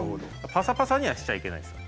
パサパサにはしちゃいけないんです。